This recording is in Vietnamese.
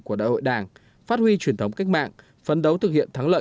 của đại hội đảng phát huy truyền thống cách mạng phấn đấu thực hiện thắng lợi